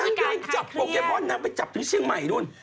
นางโดนจับโปเกมอนนางไปจับถึงเชียงใหม่นู่น